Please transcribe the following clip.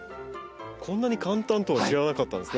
こんなに簡単とは知らなかったですね。